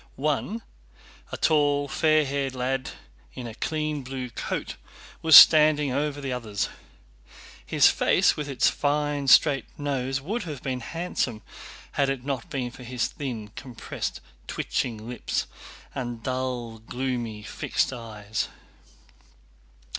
One, a tall, fair haired lad in a clean blue coat, was standing over the others. His face with its fine straight nose would have been handsome had it not been for his thin, compressed, twitching lips and dull, gloomy, fixed eyes.